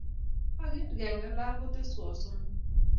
Ang'er keng'alan koteswek somok